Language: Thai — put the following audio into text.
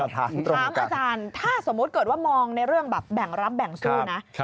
ถามอาจารย์ถ้าสมมุติเกิดว่ามองในเรื่องแบบแบ่งรับแบ่งสู้นะ